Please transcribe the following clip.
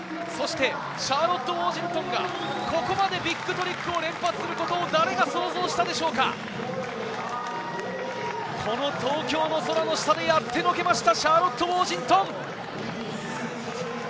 シャーロット・ウォージントンがここまでビッグトリックを連発することを誰が想像したでしょうか、この東京の空の下でやってのけました。